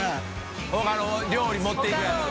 ほかの料理持っていくやつを。